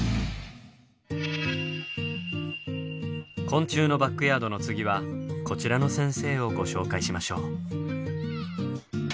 昆虫のバックヤードの次はこちらの先生をご紹介しましょう。